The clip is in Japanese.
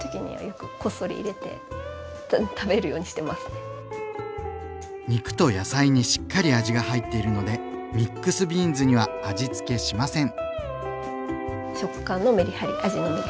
なかなか肉と野菜にしっかり味が入っているのでミックスビーンズには味つけしません。